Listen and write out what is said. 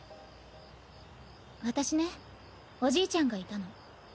私ねおじいちゃんがいたの。